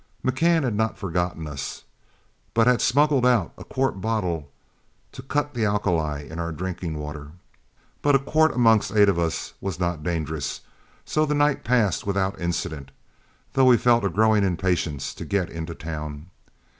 McCann had not forgotten us, but had smuggled out a quart bottle to cut the alkali in our drinking water. But a quart amongst eight of us was not dangerous, so the night passed without incident, though we felt a growing impatience to get into town.